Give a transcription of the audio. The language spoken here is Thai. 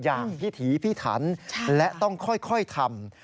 อย่างพิธีพิธรรมและต้องค่อยทำ